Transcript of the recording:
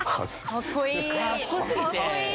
かっこよすぎて！